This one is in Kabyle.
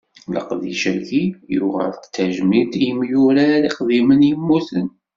Leqdic-agi, yuɣal d tajmilt i yimyurar iqdimen i yemmuten.